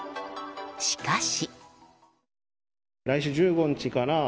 しかし。